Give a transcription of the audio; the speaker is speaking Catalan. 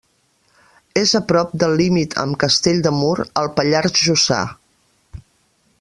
És a prop del límit amb Castell de Mur, al Pallars Jussà.